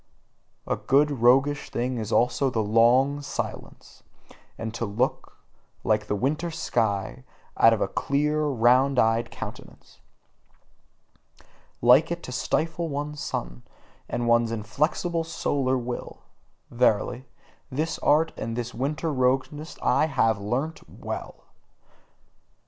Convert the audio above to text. A good roguish thing is also the long silence, and to look, like the winter sky, out of a clear, round eyed countenance: Like it to stifle one's sun, and one's inflexible solar will: verily, this art and this winter roguishness have I learnt WELL!